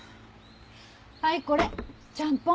はいこれちゃんぽん。